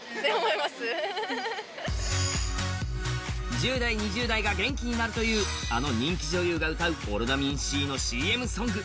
１０代２０代が元気になるというあの人気女優が歌うオロナミンＣのＣＭソング。